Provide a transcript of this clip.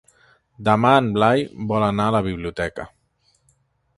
Demà en Blai vol anar a la biblioteca.